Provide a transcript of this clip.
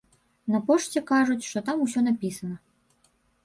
На пошце кажуць, што там усё напісана.